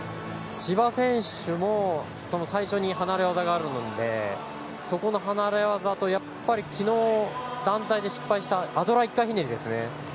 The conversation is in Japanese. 千葉選手も最初に離れ技があるのでそこの離れ技とやっぱり昨日団体で失敗したアドラー１回ひねりですね。